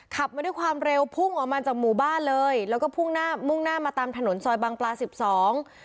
ขับมาด้วยความเร็วพุ่งออกมาจากหมู่บ้านเลยแล้วก็พุ่งหน้ามุ่งหน้ามาตามถนนซอยบางปลาสิบสอง